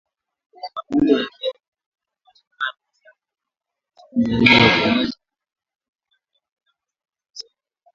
Magonjwa ya kieneo hupatikana sana katika maeneo ya ufugaji wa ng'ombe kwa wingi Sehemu